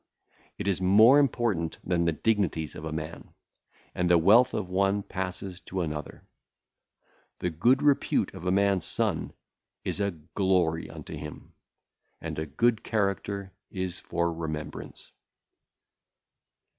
It is more important than the dignities of a man; and the wealth of one passeth to another. The good repute of a man's son is a glory unto him; and a good character is for remembrance.